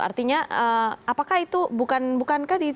artinya apakah itu bukan bukankah di dunia ini